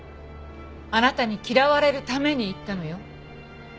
あなたに嫌われるために言ったのよ。